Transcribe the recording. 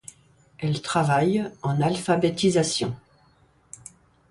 Elle travaille en alphabétisation.